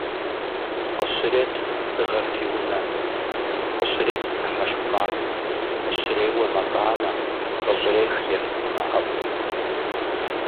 Къыщрепс дыгъэр фи унэ, къыщреӏу дыхьэшх макъ, къыщреуэ макъамэ, къыщӏрех ерыскъымэ ӏэфӏыр.